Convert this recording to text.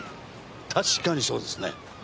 確かにそうですね。